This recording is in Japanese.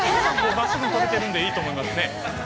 ◆真っすぐ跳べてるんでいいと思いますね。